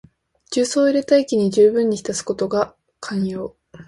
重曹を入れた液にじゅうぶんに浸すことが肝要。